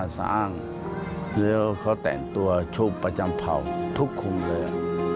แล้วเขาแต่งตัวชุบประจำเผ่าทุกคลุมเลย